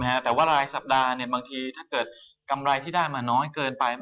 แต่ว่ารายสัปดาห์เนี่ยบางทีถ้าเกิดกำไรที่ได้มาน้อยเกินไป